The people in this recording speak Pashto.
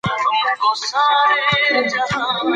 ماشومان پوهنتون ته د لوبو لپاره رابلل کېږي.